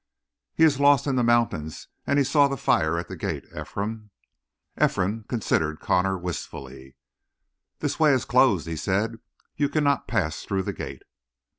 "He is lost in the mountains, and he saw the fire at the gate, Ephraim." Ephraim considered Connor wistfully. "This way is closed," he said; "you cannot pass through the gate."